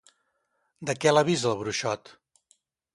De què l'avisa el bruixot?